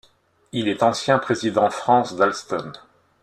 Il est ancien président France d'Alstom.